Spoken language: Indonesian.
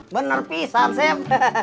bener pisang sep